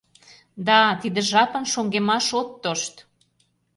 Да, тиде жапын шоҥгемаш от тошт!